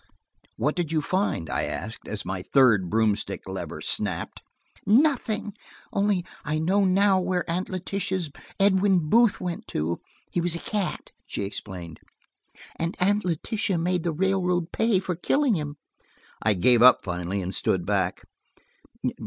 "What did you find?" I asked, as my third broomstick lever snapped. "Nothing–only I know now where Aunt Letitia's Edwin Booth went to. He was a cat," she explained, "and Aunt Letitia made the railroad pay for killing him." I gave up finally and stood back.